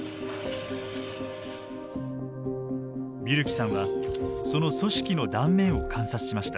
ビュルキさんはその組織の断面を観察しました。